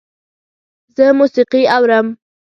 زه موسیقی اورم